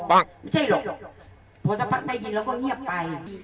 ไม่ใช่หรอกพอสักพักได้ยินแล้วก็เงียบไป